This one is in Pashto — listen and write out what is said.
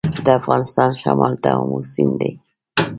د افغانستان شمال ته امو سیند دی